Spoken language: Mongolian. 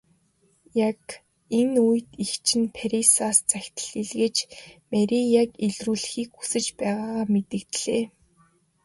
Яг энэ үед эгч нь Парисаас захидал илгээж Марияг ирүүлэхийг хүсэж байгаагаа мэдэгдлээ.